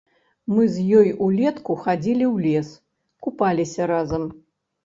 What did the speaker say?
Мы з ёй улетку хадзілі ў лес, купаліся разам.